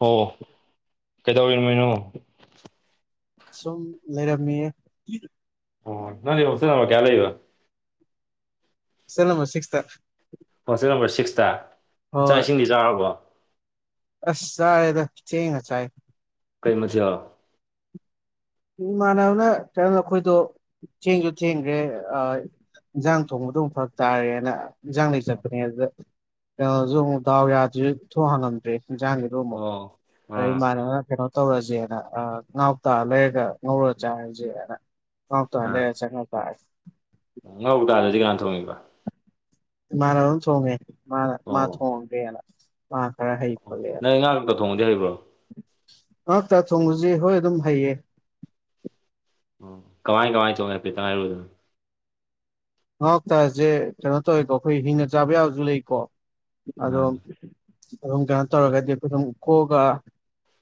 ꯑꯣ ꯀꯩꯗꯧꯔꯝꯃꯤꯅꯣ ꯁꯨꯝ ꯂꯩꯔꯝꯃꯤꯌꯦ ꯑꯣ ꯅꯪꯗꯤ ꯍꯣꯁꯇꯦꯜ ꯅꯝꯕꯔ ꯀꯌꯥꯗ ꯂꯩꯔꯤꯕ ꯍꯣꯁꯇꯦꯜ ꯅꯝꯕꯔ ꯁꯤꯛꯁ ꯇꯥ ꯍꯣꯁꯇꯦꯜ ꯅꯝꯕꯔ ꯁꯤꯛꯁꯇ ꯆꯥꯛ ꯍꯣꯏ ꯏꯁꯤꯡꯗꯤ ꯆꯥꯔꯕꯣ ꯑꯁ ꯆꯥꯔꯦꯗ ꯊꯦꯡꯅ ꯆꯥꯏ ꯀꯩ ꯃꯊꯦꯜ ꯏꯃꯥꯟꯅꯕꯅ ꯀꯩꯅꯣꯗꯣ ꯑꯩꯈꯣꯏꯗꯣ ꯊꯦꯡꯁꯨ ꯊꯦꯡꯈ꯭ꯔꯦ ꯑꯥ ꯏꯟꯁꯥꯡ ꯊꯣꯡꯕꯗ ꯑꯃꯨꯛ ꯐꯔꯛ ꯇꯥꯔꯦꯅ ꯏꯟꯖꯥꯡ ꯂꯩ ꯆꯠꯄꯅꯦ ꯑꯗꯨꯗ ꯀꯩꯅꯣꯁꯨ ꯑꯃꯨꯛ ꯗꯥꯎ ꯌꯥꯗ꯭ꯔꯤꯁꯨ ꯊꯣꯡ ꯍꯥꯡꯉꯝꯗ꯭ꯔꯦ ꯏꯟꯁꯥꯡꯒꯤ ꯑꯗꯨ ꯑꯃꯨꯛ ꯑꯣ ꯑꯗꯒꯤ ꯑꯥ ꯏꯃꯥꯟꯅꯅ ꯀꯩꯅꯣ ꯇꯧꯔꯁꯦꯅ ꯉꯥ ꯀꯣꯛꯇ ꯂꯩꯔ ꯑꯗꯨꯝ ꯉꯧꯔ ꯆꯥꯔꯁꯦꯅ ꯉꯥ ꯀꯣꯛꯇ ꯆꯪꯉꯥ ꯆꯥꯔꯦ ꯉꯥ ꯀꯣꯛꯇꯨꯗꯤ ꯀꯅꯥ ꯊꯣꯡꯉꯤꯕ ꯏꯃꯥꯟꯅꯕꯅ ꯊꯣꯡꯉꯦ ꯃꯥꯅ ꯃꯥ ꯑꯣ ꯊꯣꯡꯒꯦꯅ ꯃꯥꯅ ꯈꯔ ꯍꯩ ꯑꯣ. ꯈꯣꯠꯂꯦꯅ ꯅꯪ ꯉꯥ ꯀꯧꯇꯥ ꯊꯣꯡꯕꯗꯤ ꯍꯩꯕ꯭ꯔꯣ ꯉꯥ ꯀꯣꯛꯇ ꯊꯣꯡꯕꯁꯦ ꯍꯣꯏ ꯑꯗꯨꯝ ꯍꯩꯌꯦ ꯑꯣ ꯀꯃꯥꯏ ꯀꯃꯥꯏꯅ ꯊꯣꯡꯉꯤ ꯍꯥꯏꯐꯦꯠꯇꯡ ꯍꯥꯏꯔꯛꯎꯅꯦ ꯉꯥ ꯀꯣꯛꯇꯥꯁꯦ ꯀꯩꯅꯣ ꯇꯧꯋꯦꯀꯣ ꯑꯩꯈꯣꯏ ꯍꯤꯡꯅ ꯆꯥꯕ ꯌꯥꯕꯁꯨ ꯂꯩꯀꯣ ꯑꯗꯣ ꯑꯗꯨꯝ ꯀꯩꯅꯣ ꯇꯧꯔꯒꯗꯤ ꯑꯩꯈꯣꯏ ꯑꯗꯨꯝ ꯒꯣꯛꯑꯒ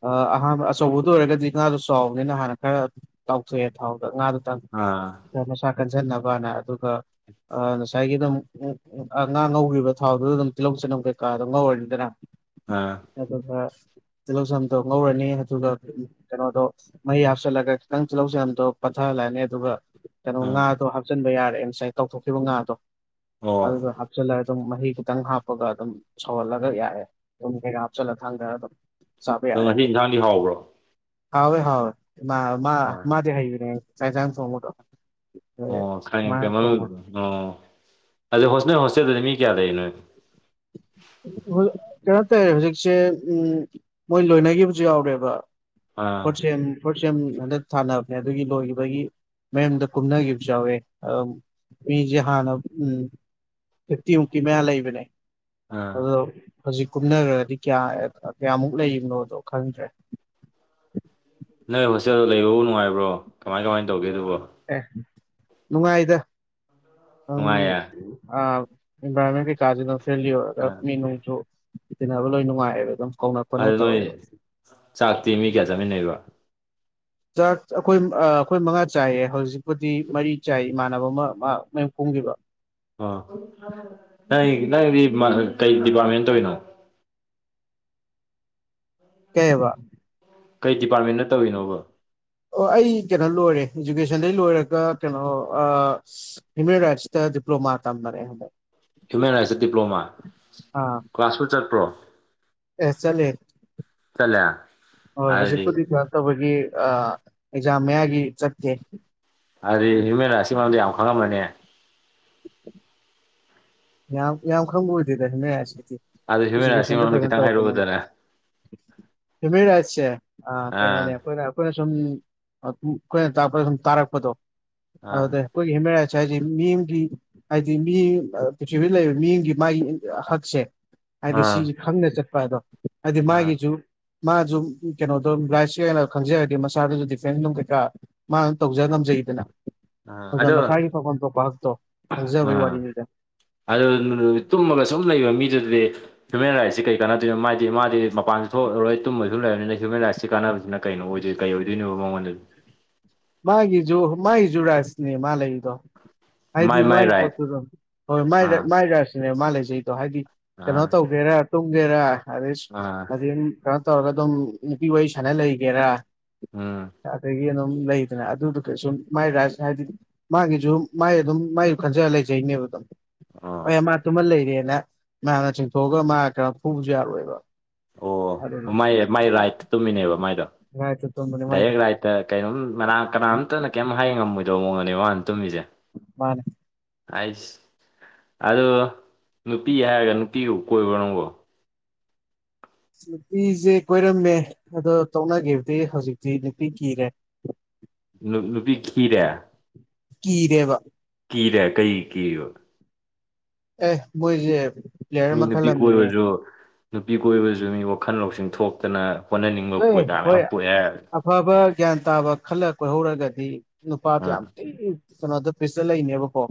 ꯑꯥ ꯑꯍꯥꯟꯕ ꯑꯆꯧꯕꯗꯨ ꯑꯣꯏꯔꯒꯗꯤ ꯉꯥꯗꯣ ꯆꯥꯎꯕꯅꯤꯅ ꯍꯥꯟꯅ ꯈꯔ ꯇꯥꯎꯊꯣꯛꯑꯦ ꯊꯥꯎꯗ ꯉꯥꯗꯨꯗꯡ ꯑꯥ ꯃꯁꯥ ꯀꯟꯖꯟꯅꯕꯅ ꯑꯗꯨꯒ ꯑꯥ ꯉꯁꯥꯏꯒꯤ ꯑꯗꯨꯝ ꯉꯥ ꯉꯧꯈꯤꯕ ꯊꯥꯎꯗꯨꯗ ꯑꯗꯨꯝ ꯇꯤꯜꯍꯧ ꯆꯅꯝ ꯀꯩꯀꯥꯗꯣ ꯉꯧꯔꯅꯤꯗꯅ ꯑꯥ ꯑꯗꯨꯒ ꯇꯤꯜꯍꯧ ꯆꯅꯝꯗꯣ ꯉꯧꯔꯅꯤ ꯑꯗꯨꯒ ꯀꯩꯅꯣꯗꯣ ꯃꯍꯤ ꯍꯥꯞꯆꯤꯜꯂꯒ ꯈꯤꯇꯪ ꯇꯤꯜꯍꯧ ꯆꯅꯝꯗꯣ ꯄꯠꯊꯥꯍꯜꯂꯅꯤ ꯑꯗꯨꯒ ꯀꯩꯅꯣ ꯑꯥ ꯉꯥꯗꯣ ꯍꯥꯞꯆꯤꯟꯕ ꯌꯥꯔꯦ ꯉꯁꯥꯏ ꯇꯥꯎꯊꯣꯛꯈꯤꯕ ꯉꯥꯗꯣ ꯑꯣ ꯑꯗꯨꯒ ꯍꯥꯞꯆꯤꯜꯂꯒ ꯑꯗꯨꯝ ꯃꯍꯤ ꯈꯤꯇꯪ ꯍꯥꯞꯄꯒ ꯑꯗꯨꯝ ꯁꯧꯍꯜꯂꯒ ꯌꯥꯥꯔꯦ ꯑꯗꯨꯝ ꯀꯩꯀꯥ ꯍꯥꯞꯆꯜꯂ ꯊꯥꯡꯗ ꯑꯗꯨꯝ ꯆꯥꯕ ꯑꯗꯣ ꯌꯥꯔꯦ ꯉꯁꯤ ꯏꯟꯁꯥꯡꯗꯤ ꯍꯥꯎꯕ꯭ꯔꯣ ꯍꯥꯎꯏ ꯍꯥꯎꯏ ꯃꯥ ꯃꯥ ꯑꯥ ꯃꯥꯗꯤ ꯍꯩꯕꯅꯦ ꯆꯆꯥꯛ ꯏꯟꯖꯥꯡ ꯊꯣꯡꯕꯗꯣ ꯫ ꯑꯣ ꯈꯪꯏ ꯀꯦꯕꯜ ꯑꯣ ꯑꯗꯨ ꯍꯣꯁꯅꯦꯜ ꯅꯣꯏ ꯍꯣꯁꯇꯦꯜꯗꯨꯗ ꯃꯤ ꯀꯌꯥ ꯂꯩ ꯅꯣꯏ꯫ ꯀꯩꯅꯣ ꯇꯧꯋꯦ ꯍꯧꯖꯤꯛꯁꯦ ꯎꯝ ꯃꯣꯏ ꯂꯣꯏꯅꯈꯤꯕꯁꯨ ꯌꯥꯎꯔꯦꯕ꯫ ꯑꯥ ꯀꯣꯠꯁꯦꯝ ꯐꯣꯔꯁꯦꯝ ꯍꯟꯗꯛ ꯊꯥꯅꯕꯅꯦ ꯑꯗꯨꯒꯤ ꯂꯣꯏꯒꯤꯕꯒꯤ ꯃꯌꯨꯝꯗ ꯀꯨꯝꯅꯒꯤꯕꯁꯨ ꯌꯥꯎꯋꯦ ꯑꯗꯨꯝ ꯫ ꯃꯤꯖꯦ ꯍꯥꯟꯅ ꯎꯝ ꯐꯤꯞꯇꯤꯃꯨꯛꯀꯤ ꯃꯌꯥ ꯂꯩꯕꯅꯦ꯫ ꯑꯥ ꯑꯗꯣ ꯍꯧꯖꯤꯛ ꯀꯨꯝꯅꯒꯔ꯭ꯗꯤ ꯀꯌꯥ ꯀꯌꯥꯃꯨꯛ ꯂꯩꯕꯅꯣꯗꯣ ꯈꯪꯗ꯭ꯔꯦ ꯅꯣꯏ ꯍꯣꯁꯇꯦꯜꯗꯣ ꯂꯩꯕꯕꯨ ꯅꯨꯡꯉꯥꯏꯕ꯭ꯔꯣ ꯀꯃꯥꯏ ꯀꯃꯥꯏꯅ ꯇꯧꯒꯦ ꯗꯨꯕꯣ꯫ ꯑꯦ ꯅꯨꯡꯉꯥꯏꯗꯥ ꯑꯎꯝ ꯅꯨꯡꯉꯥꯏꯌꯦ ꯑ ꯏꯟꯚꯥꯏꯔꯣꯟꯃꯦꯟ ꯀꯩꯀꯥꯁꯨ ꯗꯨꯝ ꯐꯔ꯭ꯦꯟꯂꯤ ꯑꯣꯏꯔꯒ ꯑꯥ ꯃꯤ ꯅꯨꯡꯁꯨ ꯇꯤꯟꯅꯕ ꯂꯣꯏ ꯅꯨꯡꯉꯥꯏꯌꯦꯕ ꯑꯗꯨꯝ꯫ ꯀꯧꯅ ꯈꯣꯠꯅ ꯑꯗꯨ ꯅꯣꯏ ꯇꯧꯋꯦꯕ ꯆꯥꯛꯇꯤ ꯃꯤ ꯀꯌꯥ ꯆꯥꯃꯤꯟꯅꯩꯕ꯫ ꯆꯥꯛ ꯑꯩꯈꯣꯏ ꯑ ꯑꯩꯈꯣꯏ ꯃꯉꯥ ꯆꯥꯏꯌꯦ ꯍꯧꯖꯤꯛ꯫ ꯄꯨꯗꯤ ꯃꯔꯤ ꯆꯥꯏ ꯏꯃꯥꯟꯅꯕ ꯑꯃ ꯃꯥ ꯃꯌꯨꯝ ꯀꯨꯝꯒꯤꯕ꯫ ꯑꯣ ꯅꯪ ꯅꯪꯗꯤ ꯃ ꯀꯩ ꯗꯤꯄꯥꯔꯠꯃꯦꯟ ꯇꯧꯏꯅꯣ꯫ ꯀꯩꯑꯕ꯫ ꯀꯩ ꯗꯤꯄꯥꯔꯠꯃꯦꯟꯗ ꯇꯧꯏꯅꯣꯕ꯫ ꯑꯣ ꯑꯩ ꯀꯩꯅꯣ ꯂꯣꯏꯔꯦ ꯏꯖꯨꯀꯦꯁꯟꯗꯩ ꯂꯣꯏꯔꯒ ꯀꯩꯅꯣ ꯑꯥ ꯍꯨꯃꯦꯟ ꯔꯥꯏꯠꯁ ꯇ ꯗꯤꯄꯂ꯭ꯣꯃꯥ ꯇꯝꯅꯔꯦ ꯍꯟꯗꯛ ꯫ ꯍ꯭ꯌꯨꯃꯦꯟ ꯔꯥꯏꯠꯁꯇ ꯗꯤꯄ꯭ꯂꯣꯃꯥ ꯑꯥ ꯀ꯭ꯂꯥꯁꯄꯨ ꯆꯠꯄ꯭ꯔꯣ꯫ ꯑꯦ ꯆꯠꯂꯦ ꯆꯠꯂꯦ ꯍꯣꯏ ꯑꯗꯨꯗꯤ ꯍꯨꯖꯤꯛꯄꯨꯗꯤꯀ ꯇꯧꯕꯒꯤ ꯑꯥ ꯑꯦꯛꯖꯥꯝ ꯃꯌꯥꯒꯤ ꯆꯠꯀꯦ꯫ ꯑꯗꯨꯗꯤ ꯍꯨꯃꯦꯟ ꯔꯥꯏꯠꯁ ꯀꯤ ꯃꯔꯝꯗ ꯌꯥꯝ ꯈꯪꯉꯝꯃꯅꯤ ꯫ ꯌꯥꯝ ꯌꯥꯝ ꯈꯪꯕ ꯑꯣꯏꯗꯦꯗ ꯍꯨꯃꯦꯟ ꯔꯥꯏꯠꯁ ꯀꯤꯗꯤ ꯑꯗꯨ ꯍ꯭ꯌꯨꯃꯦꯟ ꯔꯥꯏꯠꯁꯀꯤ ꯏꯖꯨꯀꯦꯁꯟꯗ ꯃꯔꯝꯗ ꯐꯖꯅ ꯈꯤꯇꯪ ꯇꯧꯔꯛꯄꯅꯤꯅ꯫ ꯍꯥꯏꯔꯛꯎꯗꯅ ꯍꯨꯃꯦꯟ ꯔꯥꯏꯠꯁꯦ ꯑ ꯑꯥ ꯀꯩꯅꯣꯅꯦ ꯑꯩꯈꯣꯏꯅ ꯫ ꯑꯩꯈꯣꯏꯅ ꯁꯨꯝ ꯑ ꯎꯝ ꯑꯩꯈꯣꯏꯅ ꯇꯥꯛꯄꯗ ꯁꯨꯝ ꯇꯥꯔꯛꯄꯗꯣ ꯑꯥ ꯑꯗꯨꯗ ꯑꯩꯈꯣꯏꯒꯤ ꯍꯨꯃꯦꯟ ꯔꯥꯏꯠꯁ ꯍꯥꯏꯖꯦ ꯃꯤ ꯑꯃꯒꯤ ꯍꯥꯏꯗꯤ ꯃꯤ ꯑꯥ ꯄ꯭ꯔꯤꯊꯤꯕꯤꯗ ꯂꯩꯔꯤꯕ ꯃꯤ ꯑꯃꯒꯤ ꯃꯥꯒꯤ ꯍꯛꯁꯦ ꯍꯥꯏꯗꯤ ꯑꯥ ꯁꯤꯁꯦ ꯈꯪꯅ ꯆꯠꯄ ꯑꯗꯣ꯫ ꯍꯥꯏꯗꯤ ꯑꯥ ꯃꯥꯒꯤꯁꯖꯨ꯫ ꯃꯥꯖꯨ ꯀꯩꯅꯣꯗꯣ ꯔꯥꯏꯠꯁ ꯇꯣ ꯍꯦꯟꯅ ꯈꯪꯖꯔꯗꯤ ꯃꯁꯥꯗꯁꯨ ꯗꯤꯐꯦꯟꯁ ꯅꯨꯡ ꯀꯩꯀꯔ꯭ꯥ ꯃꯥꯅ ꯗꯨꯝ ꯇꯧꯖ ꯉꯝꯖꯩꯗꯅ꯫ ꯑꯥ ꯑꯗ ꯑꯗꯣ ꯃꯁꯥꯒꯤ ꯐꯪꯐꯝ ꯊꯣꯛꯄ ꯍꯛꯇꯣ ꯈꯪꯖꯕꯩ ꯑꯥ ꯋꯥꯔꯤꯅꯤꯗ꯫ ꯑꯗꯨ ꯇꯨꯝꯃꯒ ꯁꯨꯝ ꯂꯩꯕ ꯃꯤꯗꯨꯗꯗꯤ ꯍ꯭ꯌꯨꯃꯦꯟ ꯔꯥꯏꯠꯁꯦ ꯀꯩ ꯀꯥꯟꯅꯗꯣꯏꯅꯣ ꯃꯥꯏꯗꯤ ꯃꯥꯗꯤ ꯃꯄꯥꯟꯁꯨ ꯊꯣꯛꯑꯔꯣꯏ ꯇꯨꯝꯕꯁꯨ ꯂꯩꯔꯕꯅꯤꯅ ꯍꯌꯨꯃꯦꯟ ꯔꯥꯏꯠꯁꯤ ꯀꯥꯟꯅꯕꯁꯤꯅ ꯀꯩꯅꯣ ꯑꯣꯏꯗꯣꯏ ꯀꯩ ꯑꯣꯏꯗꯣꯏꯅꯣ ꯃꯉꯣꯟꯗ ꯃꯥꯒꯤꯖꯨ ꯃꯥꯏꯖꯨ ꯔꯥꯏꯠꯁꯅꯦ ꯃꯥ ꯂꯩꯔꯤꯗꯣ ꯍꯥꯏꯗꯤ ꯃꯥꯏ ꯄꯣꯠꯇꯨꯗꯣ ꯍꯣꯏ ꯃꯥꯏ ꯑꯥ ꯃꯥꯏ ꯔꯥꯏꯠꯁꯖꯇꯨꯅꯦꯕ ꯃꯥ ꯂꯩꯖꯩꯗꯣ ꯍꯥꯏꯗꯤ ꯀꯩꯅꯣ ꯑꯥ ꯇꯧꯒꯦꯔꯥ ꯇꯨꯝꯒꯦꯔ ꯑꯗꯩ ꯑꯥ ꯑꯗꯩ ꯀꯩꯅꯣ ꯇꯧꯔꯒ ꯑꯗꯨꯝ ꯅꯨꯄꯤ ꯋꯥꯔꯤ ꯁꯥꯟꯅ ꯂꯩꯒꯦꯔꯥ ꯎꯝ ꯑꯗꯒꯤ ꯑꯗꯨꯝ ꯂꯩ ꯑꯗꯨꯗ ꯀ ꯁꯨꯝ ꯃꯥꯏ ꯔꯥꯏꯠꯁ ꯍꯥꯏꯗꯤ ꯃꯥꯒꯤꯖꯨ ꯃꯥꯏ ꯑꯗꯨꯝ ꯃꯥꯏꯖꯨ ꯈꯟꯖ ꯂꯩꯖꯩꯅꯦꯕ ꯑꯗꯣ ꯑꯣ ꯍ ꯃꯥ ꯇꯨꯝꯃ ꯂꯩꯔꯦꯅ ꯃꯌꯥꯝꯅ ꯆꯤꯡꯊꯣꯛꯑꯒ ꯃꯥ ꯀꯩꯅꯣ ꯐꯨꯕꯖꯨ ꯌꯥꯔꯣꯏꯕ꯫ ꯑꯗꯨꯅ ꯑꯣ ꯃꯥꯏ ꯃꯥꯏ ꯔꯥꯏꯠ ꯇꯨꯝꯃꯤꯅꯦꯕ ꯃꯥꯏꯗꯣ ꯉꯥꯏꯇ ꯇꯨꯝꯕꯅꯦ ꯃꯥꯏꯗꯣ ꯗꯥꯏꯔꯦꯛ ꯔꯥꯏꯠ ꯀꯩꯅꯣꯝ ꯀꯅꯥꯝꯇꯅ ꯀꯩꯝ ꯍꯥꯏ ꯉꯝꯃꯣꯏꯗꯧꯕ ꯃꯑꯣꯡꯗꯅꯦꯕ ꯃꯥꯅ ꯇꯨꯝꯃꯤꯖꯦ ꯫ ꯃꯥꯅꯤ ꯫ ꯑꯩꯁ ꯑꯗꯣ ꯅꯨꯄꯤ ꯍꯥꯏꯔꯒ ꯅꯨꯄꯤꯕꯨ ꯀꯣꯏꯕꯔꯣ ꯅꯪꯕꯣ ꯅꯨꯄꯤꯁꯦ ꯀꯣꯏꯔꯝꯃꯦ ꯑꯗꯣ ꯇꯣꯛꯅꯈꯤꯕꯗꯤ ꯍꯧꯖꯤꯛꯇꯤ ꯅꯨꯄꯤ ꯀꯤꯔꯦ ꯅꯨ ꯅꯨꯄꯤ ꯈꯤꯔꯦ ꯀꯤꯔꯦꯕ ꯀꯤꯔꯦ ꯀꯩꯒꯤ ꯀꯤꯔꯤꯕ ꯑꯦ ꯃꫭꯏꯖꯦ ꯃꯤ ꯅꯨꯄꯤ ꯀꯣꯏꯕꯁꯨ ꯅꯨꯄꯤ ꯀꯣꯏꯕꯁꯨ ꯃꯤ ꯋꯥꯈꯜ ꯂꯧꯁꯤꯡ ꯊꯣꯛꯇꯅ ꯍꯣꯠꯅꯅꯤꯡꯕ ꯄꯣꯏꯀꯥ ꯃꯌꯥꯝ ꯄꯣꯛꯑꯦ ꯍꯥꯏꯔꯒ ꯐꯕ ꯒ꯭ꯌꯥꯟ ꯇꯥꯕ ꯈꯜꯂ ꯀꯣꯏꯍꯧꯔꯒꯗꯤ ꯅꯨꯄꯥꯗꯣ ꯑꯥ ꯌꯥꯝ ꯊꯤ ꯀꯩꯅꯣꯗ ꯄꯤꯁꯇ ꯂꯩꯅꯦꯕꯀꯣ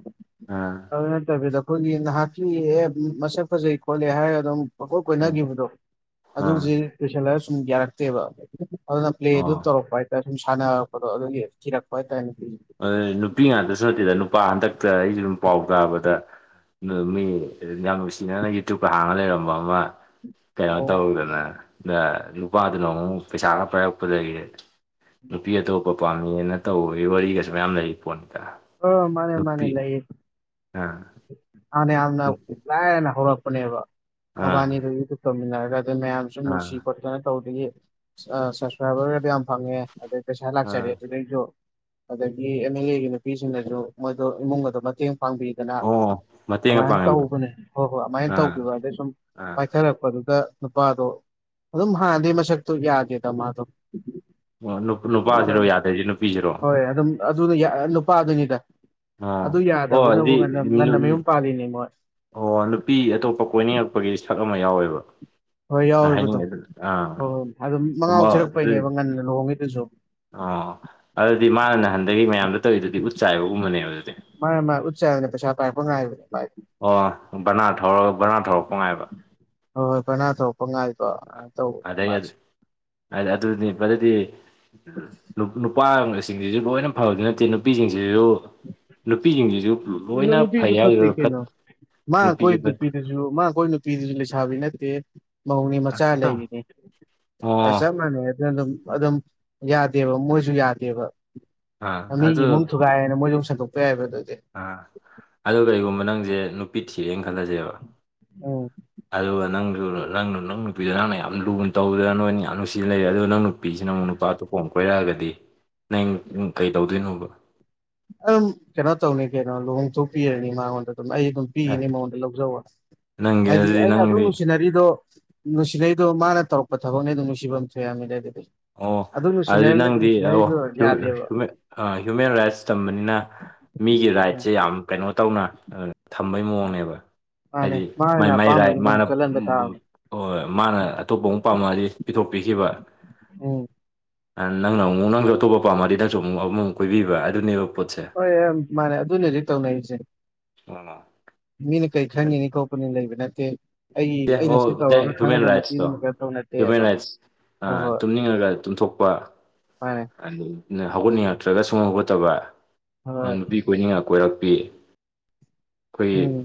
ꯎꯝ ꯑꯗꯨ ꯅꯠꯇꯕꯤꯗ ꯑꯩꯈꯣꯏꯒꯤ ꯅꯍꯥꯛꯀꯤ ꯑꯦ ꯃꯁꯛ ꯐꯖꯩ ꯈꯣꯠꯂꯦ ꯍꯥꯏꯔꯒ ꯑꯗꯨꯝ ꯄꯪꯀꯣꯏ ꯑꯥ ꯀꯣꯏꯅꯈꯤꯕꯗꯣ ꯑꯥ ꯑꯗꯨꯗꯤ ꯀꯨꯏꯁꯤꯜꯂꯒ ꯁꯨꯝ ꯌꯥꯔꯛꯇꯦꯕ ꯑꯗꯨꯅ ꯄ꯭ꯂꯦ ꯑꯣ ꯑꯗꯨꯝ ꯇꯧꯔꯛꯄ ꯍꯥꯏꯇꯥꯔꯦ ꯁꯨꯝ ꯁꯥꯟꯅꯔꯛꯄꯗꯣ ꯑꯗꯨꯒꯤ ꯀꯤꯔꯛꯄ ꯍꯥꯏꯇꯥꯔꯦ ꯅꯨꯄꯤꯗꯣ ꯑꯗꯨ ꯅꯨꯄꯤ ꯉꯥꯛꯇꯁꯨ ꯅꯠꯇꯦꯗ ꯅꯨꯄꯥ ꯍꯟꯗꯛꯇ ꯑꯩꯁꯨꯨꯝ ꯄꯥꯎ ꯇꯥꯕꯗ ꯃꯤ ꯑꯗꯨꯝ ꯌꯥꯝ ꯅꯨꯡꯁꯤꯅꯅ ꯌꯨꯇ꯭ꯌꯨꯕꯀ ꯍꯥꯡꯉ ꯂꯩꯔꯝꯕ ꯑꯃ ꯀꯩꯅꯣ ꯑꯣ ꯇꯧꯗꯅ ꯅꯨꯄꯥꯗꯨꯅ ꯑꯃꯨꯛ ꯄꯩꯁꯥ ꯈꯔ ꯄꯥꯏꯔꯛꯄꯗꯒꯤ ꯅꯨꯄꯤ ꯑꯇꯣꯞꯄ ꯄꯥꯝꯃꯦꯅ ꯇꯧꯕꯒꯤ ꯋꯥꯔꯤꯒꯁꯨ ꯃꯌꯥꯝ ꯂꯩꯔꯤꯄꯣꯠꯅꯤꯗ ꯑ ꯃꯥꯅꯦ ꯃꯥꯅꯦ ꯂꯩꯅꯦ ꯑꯥ ꯍꯟꯅꯥ ꯌꯥꯝꯅ ꯂꯥꯏꯔꯅ ꯍꯧꯔꯛꯄꯅꯦꯕ ꯑꯥ ꯃꯕꯥꯅꯤꯗꯨ ꯌꯨꯇꯨꯞ ꯇꯧꯃꯤꯟꯅꯔꯒ ꯑꯗꯨ ꯃꯌꯥꯝꯁꯨ ꯑꯥ ꯅꯨꯡꯁꯤ ꯈꯣꯠ ꯀꯩꯅꯣ ꯇꯧꯕꯗꯒꯤ ꯁꯞꯁꯀ꯭ꯔꯥꯏꯕꯔꯒꯗꯤ ꯌꯥꯝ ꯐꯪꯉꯦ ꯑꯗꯩ ꯄꯩꯁꯥ ꯑꯥ ꯂꯥꯛꯆꯔꯦ ꯑꯗꯨꯗꯩꯁꯨ ꯑꯗꯒꯤ ꯑꯦꯝ ꯑꯦꯜ ꯑꯦꯒꯤ ꯅꯨꯄꯤꯁꯤꯡꯅꯁꯨ ꯃꯣꯏꯗꯣ ꯏꯃꯨꯡꯒꯗꯣ ꯃꯇꯦꯡ ꯄꯥꯡꯕꯤ ꯑꯗꯨꯅ ꯑꯣ ꯃꯇꯦꯡꯒ ꯑꯗꯨꯃꯥꯏꯅ ꯄꯥꯡꯉꯝꯕ ꯇꯧꯕꯅꯦ ꯍꯣꯏ ꯍꯣꯏ ꯑꯗꯨꯃꯥꯏꯅ ꯑꯥ ꯇꯧꯕꯤꯕ ꯑꯗꯩ ꯁꯨꯝ ꯑꯥ ꯆꯊꯔꯛꯄꯗꯨꯗ ꯅꯨꯄꯥꯗꯣ ꯑꯗꯨꯝ ꯍꯥꯟꯅꯗꯩ ꯃꯁꯛꯇꯣ ꯌꯥꯗꯦꯗ ꯃꯥꯗꯣ ꯑꯣ ꯅꯨꯄꯥꯁꯤꯔꯣ ꯌꯥꯗꯩꯁꯦ ꯅꯨꯄꯤꯁꯤꯔꯣ ꯍꯣꯏ ꯑꯗꯨꯝ ꯑꯗꯨꯅ ꯅꯨꯄꯥꯗꯨꯅꯤꯗ ꯑꯥ ꯑꯗꯨ ꯑꯣ ꯌꯥꯗꯕꯗꯨꯅꯕꯨ ꯑꯗꯨꯗꯤ ꯉꯟꯅ ꯉꯟꯅ ꯃꯌꯨꯝ ꯄꯥꯜꯂꯤꯅꯦ ꯃꯣꯏ ꯑꯣ ꯅꯨꯄꯤ ꯑꯇꯣꯞꯄ ꯀꯣꯏꯅꯤꯡꯉꯛꯄꯒꯤꯗꯤ ꯁꯛ ꯑꯃ ꯌꯥꯎꯋꯦꯕ ꯍꯣꯏ ꯇ ꯌꯥꯎꯋꯦꯕ ꯑꯗꯨꯝ [unintelligible] ꯑꯥ ꯍꯣꯏ ꯍꯣꯏ ꯑꯗꯨꯝ [unintelligible] ꯃꯉꯥꯎ ꯊꯤꯔꯛꯄꯩꯅꯦꯕ ꯑꯣꯏꯕꯥꯗꯨ ꯉꯟꯅ ꯂꯨꯍꯣꯡꯉꯤꯗꯨꯁꯨ ꯑꯣ ꯑꯗꯨꯗꯤ ꯃꯥꯅ ꯅꯍꯟꯗꯒꯤ ꯃꯌꯥꯝꯗ ꯇꯧꯔꯤꯗꯨꯗꯤ ꯎꯠ ꯆꯥꯏꯕꯒꯨꯝꯕꯅꯦꯕ ꯑꯗꯨꯗꯤ ꯃꯥꯟꯅꯦ ꯃꯥꯟꯅꯦ ꯎꯠꯆꯥꯏꯕꯅꯦ ꯄꯩꯁꯥ ꯄꯥꯏꯔꯛꯄ ꯉꯥꯏꯕꯅꯦ ꯑꯣ ꯕꯅꯥ ꯊꯧꯔꯒ ꯕꯅꯥ ꯊꯧꯔꯛꯄ ꯉꯥꯏꯕ ꯍꯣꯏ ꯍꯣꯏ ꯕꯔꯅ ꯊꯧꯔꯛꯄ ꯉꯥꯏꯕ ꯑꯗꯨꯃꯥꯏꯅ ꯇꯧꯕꯅꯦ ꯑꯗꯩ ꯑꯗꯨ ꯃꯥꯁꯦ ꯍꯥꯢꯗꯤ ꯑꯗꯨ [unintelligible] ꯄꯗꯤ ꯅꯨꯄꯥꯁꯤꯡꯁꯤꯁꯨ ꯂꯣꯏꯅ ꯐꯕꯗꯤ ꯅꯠꯇꯦ ꯅꯨꯄꯤꯁꯤꯡꯁꯤꯁꯨ ꯅꯨꯄꯤꯁꯤꯡꯁꯤꯁꯨ ꯂꯣꯏꯅ ꯅꯨꯄꯤꯁꯨ ꯐꯩ ꯐꯠꯇꯦ ꯍꯥꯏꯗꯨꯏꯔꯣ ꯐꯠ ꯀꯩꯅꯣ ꯃꯥꯅ ꯅꯨꯄꯤꯁꯨ ꯀꯣꯏ ꯐꯠ ꯅꯨꯄꯤꯗꯨꯁꯨ ꯃꯥꯅ ꯀꯣꯏꯔꯤ ꯅꯨꯄꯤꯗꯨꯁꯨ ꯂꯩꯁꯥꯕꯤ ꯅꯠꯇꯦ ꯃꯧꯅꯤ ꯃꯆꯥ ꯂꯩꯔꯤꯅꯤ ꯑ ꯑꯣ ꯆꯞ ꯃꯥꯟꯅꯩ ꯑꯗꯨꯅ ꯑꯗꯨꯝ ꯑꯗꯨꯝ ꯌꯥꯗꯦꯕ ꯃꯣꯏꯁꯨ ꯌꯥꯗꯦꯕ ꯑꯥ ꯃꯤꯒꯤ ꯑꯗꯨ ꯏꯃꯨꯡ ꯊꯨꯒꯥꯏꯌꯦꯅ ꯃꯣꯏꯁꯨꯨꯝꯡ ꯁꯟꯗꯣꯛꯄ ꯌꯥꯏꯕ ꯑꯗꯨꯗꯤ ꯑꯥ ꯑꯗꯣ ꯀꯩꯒꯨꯝꯕ ꯅꯪꯁꯦ ꯅꯨꯄꯤ ꯊꯤꯔꯦꯅ ꯈꯜꯂꯁꯦꯕ ꯎꯝ ꯑꯗꯨꯒ ꯅꯪꯁꯨ ꯅꯪꯅ ꯅꯪ ꯅꯨꯄꯤꯗ ꯅꯪꯅ ꯌꯥꯝ ꯂꯨꯅ ꯇꯧꯗꯅ ꯅꯣꯏꯅ ꯌꯥꯝ ꯅꯨꯡꯁꯤꯅ ꯂꯩꯔꯦ ꯑꯗꯨ ꯅꯪ ꯅꯨꯄꯤꯁꯤꯅ ꯑꯃꯨꯛ ꯅꯨꯄꯥ ꯑꯇꯣꯞꯄꯃꯨꯛ ꯀꯣꯏꯔꯛꯑꯒꯗꯤ ꯅꯪ ꯀꯩ ꯇꯧꯗꯣꯏꯅꯣꯕ ꯑꯗꯨꯝ ꯀꯩꯅꯣ ꯇꯧꯅꯤ ꯀꯩꯅꯣ ꯂꯨꯍꯣꯡ ꯊꯣꯛꯄꯤꯔꯅꯤ ꯃꯥꯉꯣꯟꯗ ꯑꯗꯨꯝ ꯑꯩ ꯑꯗꯨꯝ ꯑꯦ ꯄꯤꯈꯤꯅꯤ ꯃꯉꯣꯟꯗ ꯂꯧꯖꯧ ꯅꯪꯒꯤ ꯍꯥꯏꯗꯤ ꯑꯗꯨꯗꯤ ꯑꯩꯅ ꯑꯗꯨꯛ ꯅꯪꯗꯤ ꯅꯨꯡꯁꯤꯅꯔꯤꯗꯣ ꯅꯨꯡꯁꯤꯕꯩꯗꯣ ꯃꯥꯅ ꯇꯧꯔꯛꯄ ꯊꯕꯛꯅꯦ ꯑꯗꯨꯝ ꯅꯨꯡꯁꯤꯐꯝ ꯊꯣꯛ ꯌꯥꯝꯃꯤꯗ ꯑꯗꯨꯗꯤ ꯑꯣ ꯑꯗꯨ ꯑꯗꯨꯗꯤ ꯅꯨꯡꯁꯤꯅꯔ ꯅꯪꯗꯤ ꯑꯣ ꯅꯨꯡꯁꯤꯅꯔꯤꯗꯣ ꯌꯥꯗꯦꯕ ꯁꯨꯝꯃꯦ ꯑꯥ ꯍ꯭ꯌꯨꯃꯦꯟ ꯔꯥꯏꯠꯁ ꯇꯝꯕꯅꯤꯅ ꯃꯤꯒꯤ ꯑꯦ ꯔꯥꯏꯠꯁꯦ ꯌꯥꯝ ꯀꯩꯅꯣ ꯇꯧꯅ ꯑꯥ ꯊꯝꯕꯩ ꯃꯑꯣꯡꯅꯦꯕ ꯃꯥꯅꯦ ꯍꯥꯏꯗꯤ ꯃꯥꯅ ꯃꯥꯏ ꯃꯥꯏ ꯑꯄꯥꯝꯕꯗꯨ ꯔꯥꯏꯠ ꯑꯗꯨꯝ ꯃꯥꯅ ꯆꯠꯍꯟꯕ ꯇꯥꯕꯅꯦ ꯍꯣꯏ ꯃꯥꯅ ꯑꯇꯣꯞꯄ ꯑꯃꯨꯛ ꯄꯥꯝꯃꯛꯑꯗꯤ ꯄꯤꯊꯣꯛꯄꯤꯈꯤꯕ ꯎꯝ ꯑꯥ ꯅꯪꯅ ꯑꯃꯨꯛ ꯅꯪꯁꯨ ꯑꯇꯣꯞꯄ ꯄꯥꯝꯃꯗꯤ ꯅꯪꯁꯨ ꯑꯃ ꯑꯃꯃꯨꯛ ꯀꯣꯏꯕꯤꯕ ꯑꯗꯨꯅꯦꯕ ꯄꯣꯠꯁꯦ ꯍꯣꯏ ꯃꯥꯥꯟꯅꯦ ꯑꯗꯨꯅꯦ ꯍꯧꯖꯤꯛ ꯇꯧꯅꯩꯁꯦ [unintelligible] ꯃꯤꯅ ꯀꯩ ꯈꯟꯒꯤꯅꯤ ꯈꯣꯠꯄꯅꯤ ꯂꯩꯕ ꯅꯠꯇꯦ ꯑꯩ [unintelligible] ꯑꯩꯅ ꯁꯤ ꯇꯧꯔꯒ ꯍ꯭ꯌꯨꯃꯦꯟ ꯈꯪꯉꯒ ꯔꯥꯏꯠꯁꯇꯣ ꯅꯨꯄꯤꯗꯨꯅ ꯀꯩꯝ ꯇꯧ ꯅꯠꯇꯦ ꯍ꯭ꯌꯨꯃꯦꯟ ꯑꯗꯣ ꯔꯥꯏꯠꯁ ꯍꯣꯏ ꯑꯥ ꯍꯣꯏ ꯇꯨꯝꯅꯤꯡꯉꯒ ꯇꯨꯝꯊꯣꯛꯄ ꯃꯥꯅꯦ ꯑꯗꯨꯅ ꯍꯧꯒꯠꯅꯤꯡꯉꯛꯇ꯭ꯔꯒ ꯁꯨꯉꯧ ꯍꯧꯒꯠꯇꯕ ꯅꯪ ꯍꯣꯏ ꯅꯨꯄꯤ ꯀꯣꯏꯅꯤꯡꯉ ꯀꯣꯏꯔꯛꯄꯤ ꯑꯩꯈꯣꯏꯒꯤ ꯎꯝ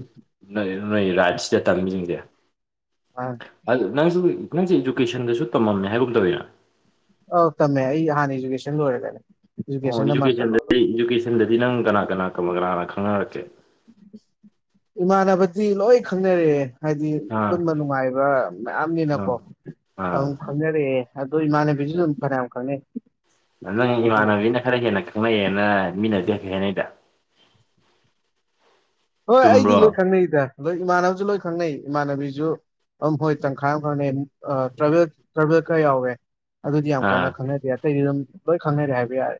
ꯅꯣꯏ ꯅꯣꯏ ꯔꯥꯏꯠꯁꯤꯗ ꯇꯝꯃꯤꯁꯤꯡꯁꯦ ꯃꯥꯅꯦ ꯑꯗꯨ ꯅꯪꯁꯨ ꯅꯪꯁꯨ ꯏꯖꯨꯀꯦꯁꯟꯗꯁꯨ ꯇꯝꯃꯝꯃꯦ ꯍꯥꯏꯒꯨꯝ ꯇꯧꯋꯤꯅ ꯑꯧ ꯇꯝꯃꯦ ꯑꯩ ꯍꯥꯟꯅ ꯏꯖꯨꯀꯦꯁꯟ ꯂꯣꯏꯔꯛꯑꯦ ꯑꯣ ꯏꯖꯨꯀꯦꯁꯟꯗꯗꯤ ꯏꯖꯨꯀꯦꯁꯟꯗꯗꯤ ꯅꯪ ꯀꯅꯥ ꯀꯅꯥ ꯇꯝꯕ ꯀꯅꯥ ꯀꯅꯥ ꯈꯪꯅꯔꯛꯀꯦ ꯏꯃꯥꯟꯅꯕꯗꯤ ꯂꯣꯏ ꯈꯪꯅꯔꯦ ꯍꯥꯏꯗꯤ ꯑꯥ ꯄꯨꯟꯕ ꯅꯨꯡꯉꯥꯏꯕ ꯑꯥ ꯃꯌꯥꯝꯅꯤꯅꯀꯣ ꯑꯥ ꯑꯗꯨꯝ ꯈꯪꯅꯔꯛꯑꯦ ꯑꯗꯨ ꯏꯃꯥꯟꯅꯕꯤ ꯕꯤꯖꯨ ꯗꯨꯝ ꯐꯅꯌꯥꯝ ꯈꯪꯅꯩ ꯅꯪ ꯑꯗꯣ ꯏꯃꯥꯟꯅꯕꯤꯅ ꯈꯔ ꯍꯦꯟꯅ ꯈꯪꯅꯩꯑꯦꯅ ꯃꯤꯅꯗꯤ ꯍꯥꯏꯐꯦꯠ ꯍꯥꯏꯅꯩꯗ ꯍꯣꯏ ꯑꯩꯗꯤ ꯆꯨꯝꯕ꯭ꯔꯣ ꯂꯣꯏ ꯈꯪꯅꯩꯗ ꯑꯗꯣ ꯏꯃꯥꯟꯅꯕꯁꯨ ꯂꯣꯏ ꯈꯪꯅꯩ ꯏꯃꯥꯟꯅꯕꯤꯁꯨ ꯑꯝ ꯍꯣꯏ ꯇꯪꯈꯥꯏ ꯑꯝ ꯈꯪꯅꯩ ꯑꯥ ꯇ꯭ꯔꯥꯏꯚꯦꯜ ꯇ꯭ꯔꯥꯏꯚꯦꯜ ꯈꯔ ꯌꯥꯎꯋꯦ ꯑꯗꯨꯗꯤ ꯌꯥꯝ ꯑꯥ ꯀꯟꯅ ꯈꯪꯅꯗꯦ ꯑꯇꯩꯗꯤ ꯑꯗꯨꯝ ꯂꯣꯏ ꯈꯪꯅꯔꯦ ꯍꯥꯏꯕ ꯌꯥꯔꯦ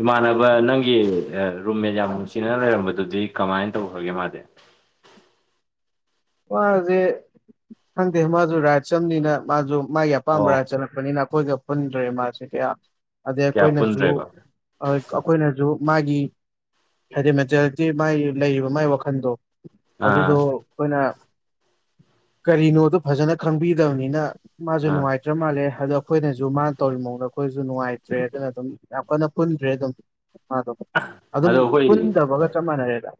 ꯏꯃꯥꯟꯅꯕ ꯅꯪꯒꯤ ꯑꯥ ꯔꯨꯝꯃꯦꯠ ꯌꯥꯝ ꯅꯨꯡꯁꯤꯅꯅ ꯂꯩꯔꯝꯕꯗꯨꯗꯤ ꯀꯃꯥꯏꯅ ꯇꯧꯈ꯭ꯔꯥꯒꯦ ꯃꯥꯗꯤ ꯃꯥꯁꯦ ꯈꯪꯗꯦ ꯃꯥꯁꯨ ꯔꯥꯏꯠꯁ ꯑꯝꯅꯤꯅ ꯃꯥꯁꯨ ꯃꯥꯒꯤ ꯑꯄꯥꯝꯕ ꯑꯣ ꯔꯥꯏꯠꯁ ꯆꯠꯂꯦ ꯅꯤꯅ ꯑꯩꯈꯣꯏꯒ ꯄꯨꯟꯗ꯭ꯔꯦ ꯃꯥꯁꯦ ꯀꯌꯥ ꯑꯗꯩ ꯀꯌꯥ ꯑꯩꯈꯣꯏꯅꯁꯨ ꯄꯨꯟꯗ꯭ꯔꯦꯕ ꯑꯩꯈꯣꯏꯅꯁꯨ ꯃꯥꯒꯤ ꯍꯥꯏꯗꯤ ꯃꯦꯟꯇꯦꯂꯤꯇꯤ ꯃꯥꯒꯤ ꯂꯩꯔꯤꯕ ꯃꯥꯒꯤ ꯋꯥꯈꯟꯗꯣ ꯑꯗꯨꯗꯣ ꯑꯥ ꯑꯩꯈꯣꯏꯅ ꯀꯔꯤꯅꯣꯗꯨ ꯐꯖꯅ ꯈꯪꯕꯤꯗꯕꯅꯤꯅ ꯃꯥꯁꯨ ꯑꯥ ꯅꯨꯡꯉꯥꯏ ꯇ꯭ꯔꯥ ꯃꯥꯜꯂꯦ ꯑꯗꯣ ꯑꯩꯈꯣꯏꯅꯁꯨ ꯃꯥꯅ ꯇꯧꯔꯤ ꯃꯑꯣꯗꯣ ꯑꯩꯈꯣꯏꯁꯨ ꯅꯨꯡꯉꯥꯏꯇ꯭ꯔꯦ ꯑꯗꯨꯅ ꯑꯗꯨꯝ ꯌꯥꯝ ꯀꯟꯅ ꯄꯨꯟꯗ꯭ꯔꯦ ꯑꯗꯨꯝ ꯃꯥꯗꯣ ꯑꯗꯨꯝ ꯑꯗꯣ ꯄꯨꯟꯗꯕꯒ ꯆꯞ ꯃꯥꯟꯅꯔꯦꯗ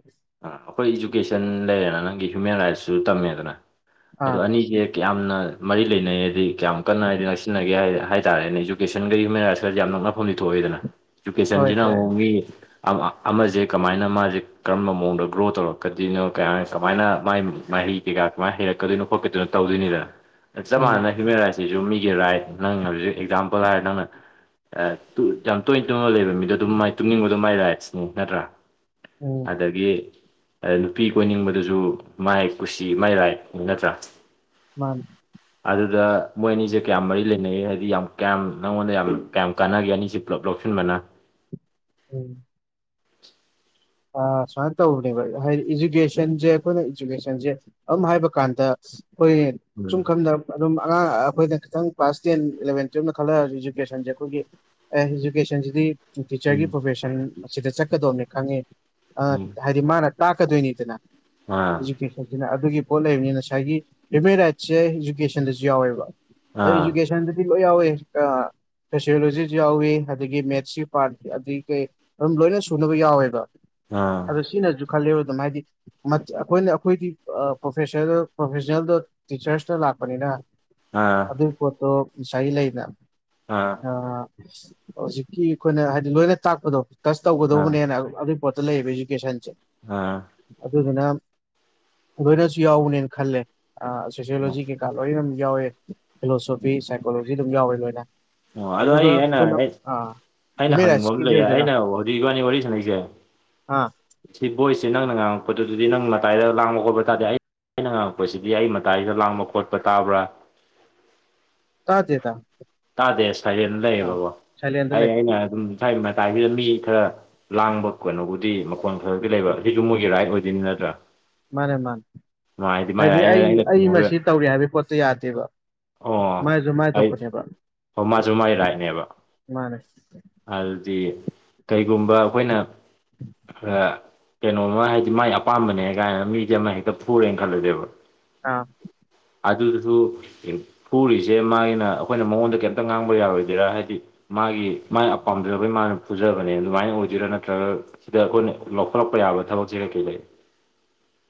ꯑꯥ ꯑꯩꯈꯣꯏ ꯏꯖꯨꯀꯦꯁꯟ ꯂꯩꯔꯦꯅ ꯅꯪꯒꯤ ꯍ꯭ꯌꯨꯃꯦꯟ ꯔꯥꯏꯠꯁꯁꯨ ꯇꯝꯃꯦꯗꯅ ꯑꯗꯣ ꯑꯥ ꯑꯅꯤꯁꯦ ꯀꯤꯌꯥꯝꯅ ꯃꯔꯤ ꯂꯩꯅꯩ ꯍꯥꯏꯗꯤ ꯀꯌꯥꯝ ꯀꯟꯅ ꯍꯥꯏꯗꯤ ꯅꯛꯁꯤꯟꯅꯒꯦ ꯍꯥꯏ ꯍꯥꯏꯇꯥꯥꯔꯦꯅꯦ ꯏꯖꯨꯀꯦꯁꯟꯒ ꯍ꯭ꯌꯨꯃꯦꯟ ꯔꯥꯏꯠꯀꯁꯤ ꯌꯥꯝ ꯅꯛꯅ ꯐꯝꯗꯤ ꯊꯣꯛꯏꯗꯅ ꯍꯣꯏ ꯏꯖꯨꯀꯦꯁꯟꯁꯤꯅ ꯐꯔꯦ ꯑꯃꯨꯛ ꯃꯤ ꯑꯃ ꯑꯃꯖꯦ ꯀꯃꯥꯏꯅ ꯃꯥꯖꯦ ꯀꯔꯝꯕ ꯃꯑꯣꯡꯗ ꯒ꯭ꯔꯣ ꯇꯧꯔꯛꯀꯗꯣꯏꯅꯣ ꯀꯩꯌꯥꯏꯅꯤ ꯀꯃꯥꯏꯅ ꯃꯥꯥꯏ ꯃꯍꯩ ꯀꯩꯀꯥ ꯀꯃꯥꯏꯅ ꯍꯩꯔꯛꯀꯗꯣꯏꯅꯣ ꯈꯣꯠꯀꯗꯣꯏꯅꯣ ꯇꯧꯗꯣꯏꯅꯤꯗꯅ ꯆꯞ ꯎꯝ ꯃꯥꯟꯅ ꯍ꯭ꯌꯨꯃꯦꯟ ꯔꯥꯏꯠꯁꯤꯁꯨ ꯃꯤꯒꯤ ꯔꯥꯏꯠ ꯅꯪꯅ ꯍꯧꯖꯤꯛ ꯑꯦꯛꯖꯥꯝꯄꯜ ꯍꯥꯏꯔ ꯅꯪꯅ ꯑꯦ ꯌꯥꯝ ꯇꯣꯏꯅ ꯇꯨꯝꯃ ꯂꯩꯕ ꯃꯤꯗꯣ ꯑꯗꯨꯝ ꯃꯥꯏ ꯇꯨꯝꯅꯤꯡꯕꯗꯣ ꯃꯥꯏ ꯔꯥꯏꯠꯁꯅꯤ ꯅꯠꯇ꯭ꯔꯥ ꯎꯝ ꯑꯗꯒꯤ ꯅꯨꯄꯤ ꯀꯣꯏꯅꯤꯡꯕꯗꯨꯁꯨ ꯃꯥꯏ ꯀꯨꯁꯤ ꯃꯥꯏ ꯔꯥꯏꯠꯅꯤ ꯅꯠꯇ꯭ꯔꯥ ꯃꯥꯅꯤ ꯑꯗꯨꯗ ꯃꯣꯏ ꯑꯅꯤꯁꯦ ꯀ꯭ꯌꯥꯝ ꯃꯔꯤ ꯂꯩꯅꯩ ꯍꯥꯏꯗꯤ ꯌꯥꯝ ꯀꯌꯥꯝ ꯅꯪꯉꯣꯟꯗ ꯌꯥꯝ ꯀ꯭ꯌꯥꯝ ꯀꯥꯟꯅꯒꯦ ꯑꯅꯤꯁꯤ ꯄꯨꯂꯞ ꯂꯧꯁꯤꯟꯕꯅ ꯎꯝ ꯑꯥ ꯁꯨꯃꯥꯏꯟ ꯇꯧꯕꯅꯦꯕ ꯍꯥꯏꯗꯤ ꯏꯖꯨꯀꯦꯁꯟꯖ‌ꯦ ꯑꯈꯣꯏꯅ ꯏꯖꯨꯀꯦꯁꯟꯖ‌ꯦ ꯑꯝ ꯍꯥꯏꯕ ꯀꯥꯟꯗ ꯍꯣꯏ ꯌ‌ꯦꯟ ꯁꯨꯝ ꯎꯝ ꯈꯟꯗꯝ ꯑꯗꯨꯝ ꯑꯉꯥꯡ ꯑꯈꯣꯏꯅ ꯈꯤꯇꯪ ꯀ꯭ꯂꯥꯁ ꯇꯦꯟ ꯏꯂꯚꯦꯟ ꯇꯨꯋꯦꯞꯅ ꯈꯜꯂ ꯑꯥꯖꯨ ꯏꯖꯨꯀꯦꯁꯟꯖ‌ꯦ ꯈꯣꯏꯒꯤ ꯑꯦ ꯏꯖꯨꯀꯦꯁꯟꯁꯤꯗꯤ ꯇꯤ ꯇꯤꯆꯔꯒꯤ ꯎꯝ ꯄ꯭ꯔꯣꯐꯦꯁꯟ ꯑꯁꯤꯗ ꯆꯠꯀꯗꯧꯅ‌ꯦ ꯈꯪꯉꯦ ꯑꯥ ꯎꯝ ꯍꯥꯏꯗꯤ ꯃꯥꯅ ꯇꯥꯛꯀ ꯗꯣꯏꯅꯤꯗꯅ ꯑꯥ ꯏꯖꯨꯀꯦ ꯆꯠꯖꯤꯅꯥ ꯑꯗꯨꯒꯤ ꯄꯣꯠ ꯂ‌ꯌꯝꯅꯤ ꯉꯁꯥꯏꯒꯤ ꯍ꯭ꯌꯨꯃꯦꯟ ꯔꯥꯏꯠꯁꯦ ꯏꯖꯨꯀꯦꯁꯟꯗꯁꯨ ꯌꯥꯎꯋꯦꯕ ꯑ ꯑꯥ ꯏꯖꯨꯀꯦꯁꯟꯗꯗꯤ ꯂꯣꯏ ꯌꯥꯎꯋ‌ꯦ ꯀꯥ ꯁꯣꯁꯤꯌꯣꯂꯣꯖꯤꯖꯨ ꯌꯥꯎꯋꯤ ꯑꯗꯒꯤ ꯃꯦꯠꯁꯀꯤ ꯄꯥꯔꯠ ꯑꯗꯤ ꯀꯩ ꯑꯗꯨꯝ ꯂꯣꯏꯅ ꯁꯨꯅꯕ ꯌꯥꯎꯋꯦꯕ [unintelligible] ꯁꯤꯅꯖꯨ ꯈꯜꯂ‌ꯦꯕ ꯑꯗꯨꯝ ꯍꯥꯏꯗꯤ ꯃꯠ ꯑꯈꯣꯏꯅ ꯑꯈꯣꯏꯒꯤ ꯑꯥ ꯄ꯭ꯔꯣꯐꯦꯁꯗ‌ꯣ ꯄ꯭ꯔꯣꯐꯦꯁ‌ꯦꯜꯗ ꯇꯤꯆꯔꯁ ꯇꯥ ꯂꯥꯛꯄꯅꯤꯅ ꯑꯥ ꯑꯗꯨꯏ ꯄꯣꯠꯇꯣ ꯉꯁꯥꯏꯒꯤ ꯂꯩꯅ ꯑꯥ ꯑꯥ ꯍꯧꯖꯤꯛꯀꯤ ꯏꯈꯣꯏꯅ ꯍꯥꯏꯗꯤ ꯂꯣꯏꯅ ꯇꯥꯛꯄꯗꯣ ꯇꯁ ꯑꯥ ꯇꯧꯒꯗꯧꯕꯅꯦꯅ ꯑꯗꯨ ꯄ‌ꯣꯠꯇ‌ꯣ ꯂꯩꯕꯥꯒꯤ ꯀꯦꯁꯟꯁ‌ꯦ ꯅꯥ ꯑꯗꯨꯗꯨꯅꯥꯝ ꯂꯣꯏꯅꯁꯨ ꯌꯥꯎꯕꯥꯅꯦꯅ ꯈꯜꯂꯦ ꯑꯥ ꯁꯣꯁꯤꯌꯣ ꯂꯣꯖꯤꯒꯤ ꯀ ꯂꯣꯏꯅꯝ ꯌꯥꯎꯋꯦ ꯐꯤꯂꯣꯁꯣꯐꯤ ꯁꯥꯏꯀꯣꯂꯣꯖꯤ ꯗꯨꯝ ꯌꯥꯎꯋꯦ ꯂꯣꯏꯅ ꯑꯣ ꯑꯗꯣ ꯑꯗꯨꯒ ꯑꯩ ꯏꯍꯥꯟ ꯍꯥꯟꯅ ꯑꯩꯈꯣꯏꯅ ꯑꯩ ꯑꯥ ꯑꯩꯅ ꯍ꯭ꯌꯨꯃꯦꯟ ꯍꯪꯅꯤꯡꯕ ꯑꯝ ꯔꯥꯏꯠꯁꯀꯤꯗꯤ ꯂꯩꯌꯦ ꯑꯣꯏꯗꯣꯏꯔꯥ ꯑꯩꯅ ꯍꯧꯖꯤꯛ ꯏꯕꯥꯅꯤ ꯋꯥꯔꯤ ꯁꯥꯅꯩꯁꯦ ꯑꯥ ꯁꯤ ꯕꯣꯏꯁꯁꯦ ꯅꯪꯅ ꯉꯥꯉꯛ ꯄꯗꯨꯗꯨꯗꯤ ꯅꯪ ꯃꯇꯥꯏꯗ ꯂꯥꯡꯕ ꯈꯣꯠꯄ ꯇꯥꯗ‌ꯦ ꯑꯩ ꯑꯩꯅ ꯉꯥꯉꯛ ꯄꯁꯤꯗꯤ ꯑꯩ ꯃꯇꯥꯏꯗ ꯂꯥꯡꯕ ꯈꯣꯠꯄ ꯇꯕ꯭ꯔꯥ ꯇꯥꯗ‌ꯦ ꯗꯥ ꯇꯥꯗꯦ ꯁꯥꯏꯂ‌ꯦꯟ ꯂꯩꯌꯦꯕꯒ‌ꯣ ꯑꯩ ꯂꯩ ꯑꯩꯅ ꯑꯗꯨꯝ ꯁꯥꯏ ꯃꯇꯥꯏꯁꯤꯗ ꯃꯤ ꯈꯔ ꯂꯥꯡꯕ ꯀꯩꯅꯣꯕꯨꯗꯤ ꯄ‌ꯣꯟ ꯈꯔꯈꯛꯇꯤ ꯂꯩꯕ ꯁꯤꯁꯨ ꯃꯣꯏꯒꯤ ꯔꯥꯏꯠ ꯑꯣꯏꯗꯣꯏꯅꯤ ꯅꯠꯇ꯭ꯔꯥ ꯃꯥꯅꯦ ꯃꯥꯟ ꯃꯥꯏꯗꯤ ꯃꯥꯏ ꯍꯥꯏꯗꯤ ꯔꯥꯏꯠ ꯑꯩꯅ ꯑꯩ ꯑꯩꯅ ꯑꯩꯃ ꯊꯤꯡꯉꯨꯕ ꯁꯤ ꯇꯧꯔꯤ ꯍꯥꯏꯕꯩ ꯄꯣꯠꯁ‌ꯦ ꯌꯥꯗꯦꯕ ꯃꯥꯏꯖꯨ ꯃꯥꯏ ꯊꯣꯛꯄꯅꯦꯕ ꯑ‌ꯣ ꯃꯥꯁꯨ ꯃꯥꯏ ꯔꯥꯏꯠꯅꯦꯕ ꯃꯥꯅ‌ꯦ ꯑꯗꯨꯗꯤ ꯀꯩꯒꯨꯝꯕ ꯑꯈꯣꯏꯅ [unintelligible] ꯀꯩꯅꯣꯝꯃ ꯍꯥꯏꯗꯤ ꯃꯥꯏ ꯑꯄꯥꯝꯕꯅꯦ ꯒꯥꯏꯅ ꯃꯤꯖ‌ꯦ ꯑꯃꯥ ꯍꯦꯛꯇ ꯐꯨꯔꯦꯟ ꯈꯜꯂꯖ‌ꯦꯕ ꯑꯥ ꯑꯗꯨꯗꯨꯁꯨ ꯒꯤꯝ ꯐꯨꯔꯤꯁꯦ ꯃꯥꯒꯤꯅ ꯑꯈꯣꯏꯅ ꯃꯉꯣꯟꯗ ꯀ‌ꯦꯝꯇ ꯉꯥꯡꯕ ꯌꯥꯔꯣꯏꯗꯣꯏꯔꯥ ꯍꯥꯏꯗꯤ ꯃꯥꯒꯤ ꯃꯥꯏ ꯑ ꯄꯥꯥꯝꯖꯕꯩ ꯃꯥꯅ ꯐꯨꯖꯕꯅꯦ ꯑꯗꯨꯃꯥꯏꯅ ꯑꯣꯏꯗꯣꯏꯔꯥ ꯅꯠꯇ꯭ꯔꯒ ꯁꯤꯗ ꯑꯈꯣꯏꯅ ꯂꯧꯈꯠꯂꯛꯄ ꯌꯥꯕ ꯊꯕꯛꯁꯦ ꯀꯩ ꯀꯩ ꯂꯩ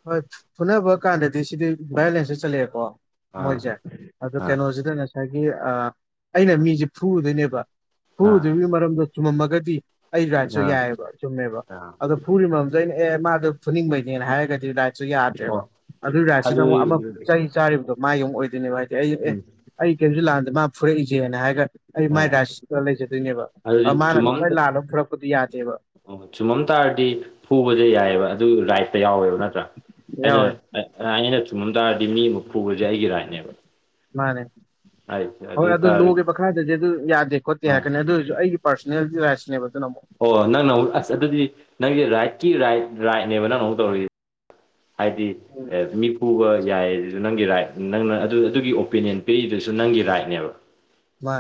ꯍꯣꯏ ꯐꯨꯅꯕ ꯀꯥꯟꯗꯗꯤ ꯁꯤꯗꯤ ꯚꯥꯏꯌꯣꯂꯦꯟꯁꯇ ꯆꯂꯥꯑꯦꯀꯣ ꯑꯥ ꯃꯣꯏꯖ‌‌ꯦ ꯑꯗꯣ ꯑꯥ ꯀ‌ꯦꯅꯣꯖꯤꯗ ꯅ‌ꯦ ꯁꯥꯏꯒꯤ ꯑꯥ ꯑꯩꯅ ꯃꯤꯖ‌ꯦ ꯐꯨꯔꯨꯗꯣꯏꯅꯦꯕ ꯐꯨꯒ ꯑꯥ ꯗꯣꯏꯕꯒꯤ ꯃꯔꯝꯗ‌ ꯆꯨꯝꯃꯝ ꯃꯒꯗꯤ ꯑꯩ ꯔꯥꯏꯠꯁꯨ ꯑꯥ ꯌꯥꯏ ꯑ‌ꯦꯕ ꯆꯨꯝꯃꯦꯕ ꯑꯥ ꯑꯗꯣ ꯐꯨꯔꯤ ꯃꯝꯗ ꯑꯩꯅ ꯑꯦ ꯃꯥꯗꯣ ꯐꯨꯅꯤꯡꯕꯩꯅꯦꯅ ꯍꯥꯏꯔꯒꯗꯤ ꯔꯥꯏꯠꯁꯨ ꯌꯥ ꯑꯣ ꯀꯩꯕ ꯑꯗꯨꯗꯤ ꯑꯗꯨ ꯑꯁꯤꯗꯃꯨꯛ ꯑꯃꯨꯛ ꯆꯩ ꯆꯥꯔꯤꯕꯗꯣ ꯃꯥꯒꯤꯃꯨꯛ ꯑꯣꯏꯗꯣꯏꯅꯦꯕ ꯍꯥꯏꯗꯤ ꯑꯩ ꯑꯦ ꯎꯝ ꯑꯩ ꯀꯔꯤꯝꯁꯨ ꯂꯥꯟꯗꯦ ꯃꯥ ꯐꯨꯔꯛꯏꯁꯦꯅ ꯍꯥꯏꯔꯒ ꯑꯩ ꯃꯥꯏ ꯑꯣ ꯔꯥꯁꯤꯗ ꯂꯩꯖꯗꯣꯏꯅꯦꯕ ꯑꯗꯨꯗꯤ ꯑꯗꯨ ꯃꯥꯅ ꯆꯨꯝꯃꯝ ꯇꯞꯇꯥꯏ ꯂꯥꯜꯂ ꯐꯔꯛꯄꯗꯤ ꯌꯥꯗꯦꯕ ꯑꯣ ꯆꯨꯝꯃꯝ ꯇꯥꯔꯗꯤ ꯐꯨꯕꯖꯦ ꯌꯥꯏꯑꯦꯕ ꯑꯗꯨ ꯔꯥꯏꯠꯇ ꯌꯥꯎꯋꯦꯕ ꯅꯠꯇ꯭ꯔꯥ ꯑꯩꯅ ꯌꯥꯎꯋꯦ ꯑꯩꯅ ꯆꯨꯝꯃ ꯇꯥꯔꯗꯤ ꯃꯤ ꯑꯃ ꯐꯨꯕꯖꯦ ꯑꯩꯒꯤ ꯔꯥꯏꯠꯅꯦꯕ ꯃꯥꯅꯦ ꯔꯥꯏꯠꯁꯦ ꯍꯣꯏ ꯑꯣꯏ ꯑꯗꯨ ꯇꯥꯔꯗꯤ ꯂꯣꯒꯤ ꯃꯈꯥꯗꯗꯤ ꯑꯗꯨ ꯌꯥꯗꯦ ꯈꯣꯠꯇꯦ ꯑꯥ ꯍꯥꯏꯔꯛꯀꯅꯤ ꯑꯗꯨ ꯑꯗꯨ ꯑꯩꯒꯤ ꯄꯥꯔꯁꯣꯅꯦꯜ ꯔꯥꯏꯠꯁꯅꯦꯕ ꯑꯗꯨꯅ ꯑꯃꯨꯛ ꯑꯣ ꯅꯪꯅ ꯑꯃꯨꯛ ꯑꯁ ꯑꯗꯨꯗꯤ ꯅꯪꯒꯤ ꯔꯥꯏꯠꯀꯤ ꯔꯥꯏꯠ ꯔꯥꯏꯠꯅꯦꯕ ꯅꯪꯅ ꯑꯃꯨꯛ ꯇꯧꯔꯤ ꯍꯥꯏꯗꯤ ꯎꯝ ꯃꯤ ꯐꯖꯕ ꯌꯥꯏ ꯑꯗꯨ ꯅꯪꯒꯤ ꯔꯥꯏꯠ ꯅꯪꯅ ꯑꯗꯨ ꯑꯗꯨꯒꯤ ꯑꯣꯄꯤꯅꯤꯌꯟ ꯄꯤꯔꯤꯗꯨꯁꯨ ꯅꯪꯒꯤ ꯔꯥꯏꯠꯅꯦꯕ ꯃꯥ